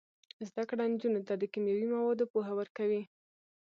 زده کړه نجونو ته د کیمیاوي موادو پوهه ورکوي.